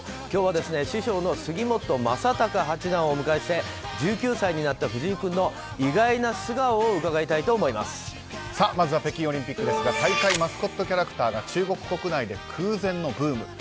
今日は師匠の杉本昌隆八段をお迎えして１９歳になった藤井君の意外な素顔をまず北京オリンピックですが大会マスコットキャラクターが中国国内で空前のブーム。